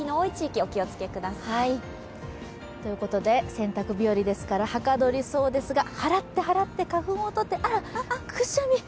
洗濯日和ですからはかどりそうですが、払って払って花粉を取って、あら、くしゃみ！